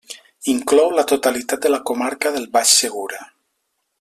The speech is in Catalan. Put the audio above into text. Inclou la totalitat de la comarca del Baix Segura.